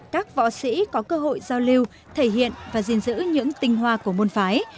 các võ sĩ có cơ hội giao lưu thể hiện và gìn giữ những tinh hoa của môn phái